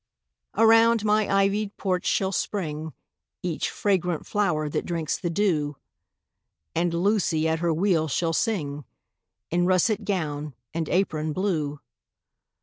Around my ivy'd porch shall spring Each fragrant flower that drinks the dew; And Lucy, at her wheel, shall sing In russet gown and apron blue.